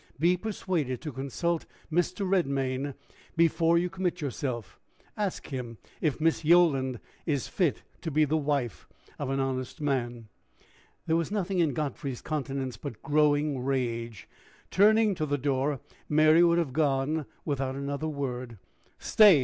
Be persuaded to consult Mr. Redmain before you commit yourself. Ask him if Miss Yolland is fit to be the wife of an honest man." There was nothing in Godfrey's countenance but growing rage. Turning to the door, Mary would have gone without another word. "Stay!"